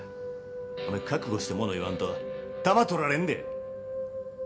お前覚悟してもの言わんとタマ取られんで。